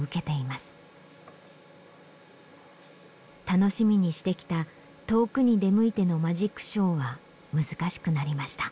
楽しみにしてきた遠くに出向いてのマジックショーは難しくなりました。